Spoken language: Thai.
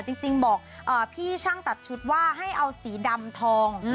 จริงบอกพี่ช่างตัดชุดว่าให้เอาสีดำทอง